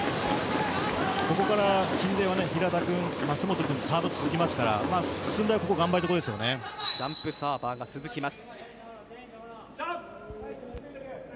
ここから鎮西は平田君、舛本君サーブ続きますから駿台はここジャンプサーバーが続きます。